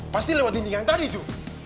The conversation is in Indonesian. pasti lewat dinding yang tadi itu